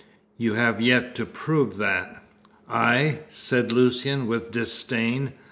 "You have yet to prove that." "I?" said Lucian, with disdain.